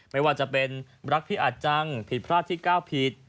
ไม่ว่าจะเป็นรักพี่อาจจังผิดพลาดที่ก้าวผิด